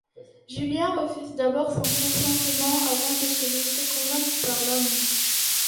Julien refuse d'abord son consentement, avant de se laisser convaincre par l'amour.